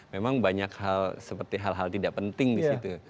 memang banyak hal seperti hal hal tidak penting di situ